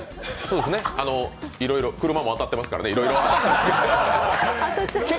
いろいろ車も当たってますからね